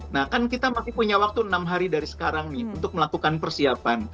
nah kan kita masih punya waktu enam hari dari sekarang nih untuk melakukan persiapan